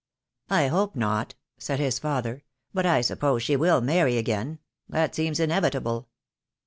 "I hope not," said his father, "but I suppose she will marry again. That seems inevitable."